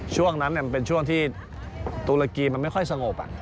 ช่วงนั้นมันเป็นช่วงที่ตุรกีมันไม่ค่อยสงบ